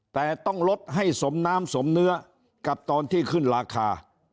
แต่ต้องลดให้สมน้ำสมเนื้อกับตอนที่ขึ้นราคา